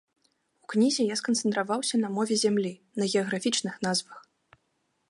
У кнізе я сканцэнтраваўся на мове зямлі, на геаграфічных назвах.